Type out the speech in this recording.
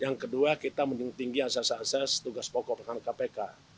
yang kedua kita menyingkirkan asas asas tugas pokok dengan kpk